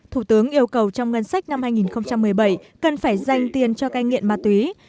thủ tướng yêu cầu trong ngân sách năm hai nghìn một mươi bảy cần phải dành tiền cho cai nghiện ma túy